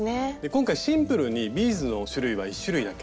今回シンプルにビーズの種類は１種類だけ。